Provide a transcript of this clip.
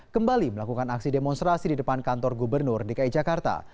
kembali melakukan aksi demonstrasi di depan kantor gubernur dki jakarta